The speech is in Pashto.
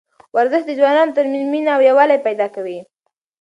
ورزش د ځوانانو ترمنځ مینه او یووالی پیدا کوي.